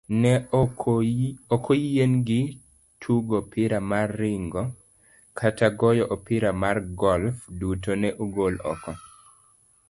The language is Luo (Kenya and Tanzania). Ne okoyienegi tugoopira mar ringo, kata goyo opira mar golf, duto ne ogol oko